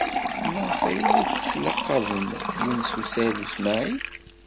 Maɣef ay la tettlaqabem Yunes u Saɛid u Smaɛil?